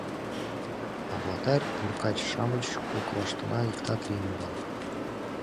А блатарь, уркач-шамыч коклаштына иктат лийын огыл.